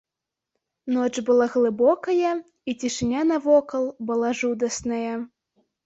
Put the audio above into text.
Ноч была глыбокая, і цішыня навокал была жудасная.